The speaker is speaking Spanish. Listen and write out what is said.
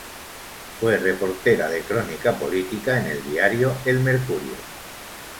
Fue reportera de crónica política en el diario El Mercurio.